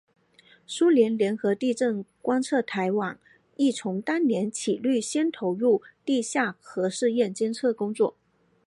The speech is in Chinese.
苏联联合地震观测台网亦从当年起率先投入地下核试验监测工作。